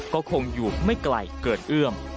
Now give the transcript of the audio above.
ก็คงอยู่ไม่ไกลเกินเอื้อม